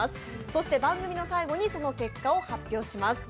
そして番組の最後に、その結果を発表します。